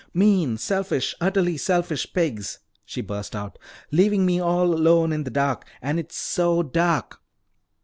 "Mean, selfish, utterly selfish pigs!" she burst out. "Leaving me all alone in the dark! And it's so dark!"